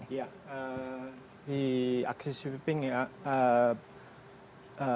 di aksi sweeping ya